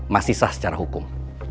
masih sah secara hukum